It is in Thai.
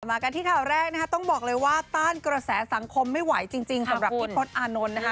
มากันที่ข่าวแรกนะคะต้องบอกเลยว่าต้านกระแสสังคมไม่ไหวจริงสำหรับพี่พศอานนท์นะคะ